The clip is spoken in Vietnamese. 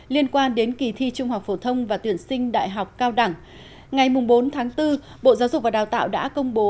liên quan đến kỳ thi trung học phổ thông và tuyển sinh đại học cao đẳng ngày bốn tháng bốn bộ giáo dục và đào tạo đã công bố